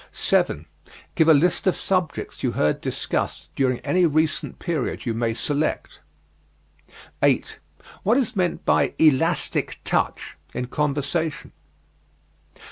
7. Give a list of subjects you heard discussed during any recent period you may select. 8. What is meant by "elastic touch" in conversation?